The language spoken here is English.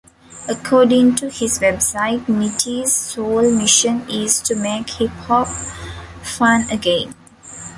According to his website, Nitty's sole mission is to make hip-hop fun again.